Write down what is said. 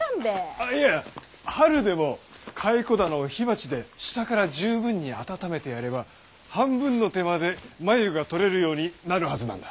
あいや春でも蚕棚を火鉢で下から十分に暖めてやれば半分の手間で繭が取れるようになるはずなんだ。